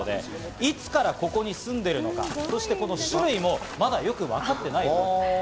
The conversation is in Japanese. いつからここに住んでいるのか、そして、この種類もまだよくわかっていない。